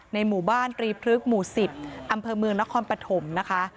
หมู่บ้านตรีพลึกหมู่๑๐อำเภอเมืองนครปฐมนะคะ